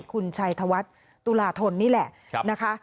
คุณชัยธวัฒน์ตุลาธนนี่แหละนะคะ